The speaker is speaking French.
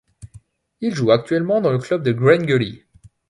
Il joue actuellement dans le club de Green Gully.